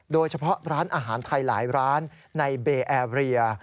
โดยเฉพาะร้านอาหารไทยหลายร้านในเบแอร์เรีย